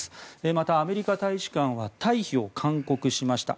また、アメリカ大使館は退避を勧告しました。